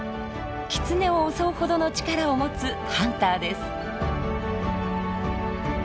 キツネを襲うほどの力を持つハンターです。